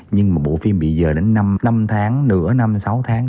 nhưng mà bộ phim bị dời đến năm tháng nửa năm sáu tháng